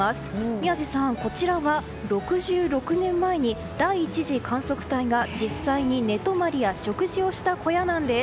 宮司さん、こちらは６６年前に第１次観測隊が実際に寝泊まりや食事をした小屋なんです。